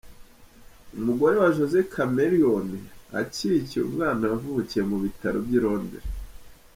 Umugore wa Jose Chameleone acyikiye umwana wavukiye mu bitaro by'i Londres.